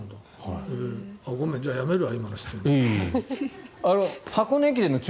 ごめん、じゃあやめるわ今の質問。